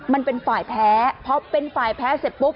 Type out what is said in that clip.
มันเป็นฝ่ายแพ้พอเป็นฝ่ายแพ้เสร็จปุ๊บ